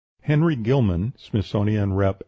Henry Gillman ("Smithsonian Rep.